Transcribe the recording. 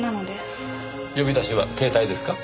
呼び出しは携帯ですか？